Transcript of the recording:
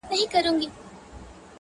د نيمي شپې د خاموشۍ د فضا واړه ستـوري!